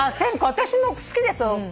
私も好きですよ。